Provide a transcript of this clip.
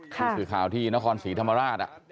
ผู้สื่อข่าวที่นครศรีธรรมราช